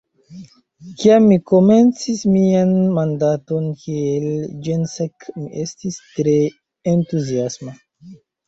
Kiam mi komencis mian mandaton kiel ĜenSek, mi estis tre entuziasma.